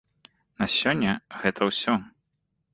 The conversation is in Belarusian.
На сёння гэта ўсё.